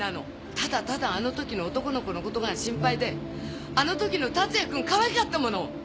ただただあの時の男の子のことが心配であの時の達也君かわいかったもの！